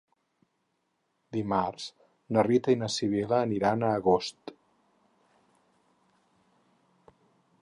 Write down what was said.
Dimarts na Rita i na Sibil·la aniran a Agost.